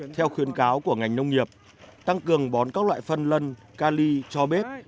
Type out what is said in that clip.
theo khuyến cáo của ngành nông nghiệp tăng cường bón các loại phân lân ca ly cho bếp